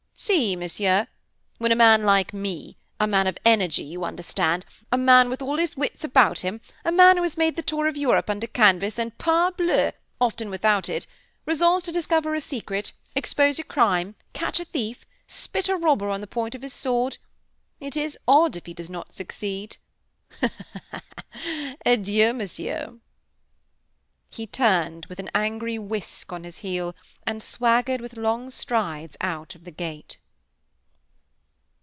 "See, Monsieur; when a man like me a man of energy, you understand, a man with all his wits about him, a man who has made the tour of Europe under canvas, and, parbleu! often without it resolves to discover a secret, expose a crime, catch a thief, spit a robber on the point of his sword, it is odd if he does not succeed. Ha! ha! ha! Adieu, Monsieur!" He turned with an angry whisk on his heel, and swaggered with long strides out of the gate.